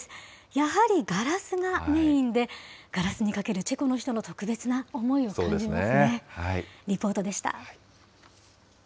やはりガラスがメインで、ガラスにかけるチェコの人の特別な思いを感じますね。